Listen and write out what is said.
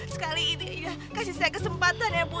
sekali ini ya kasih saya kesempatan ya bu